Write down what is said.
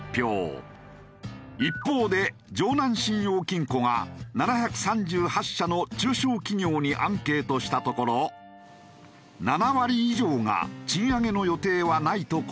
一方で城南信用金庫が７３８社の中小企業にアンケートしたところ７割以上が「賃上げの予定はない」と答えた。